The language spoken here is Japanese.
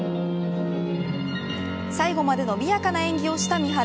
最後までのびやかな演技をした三原。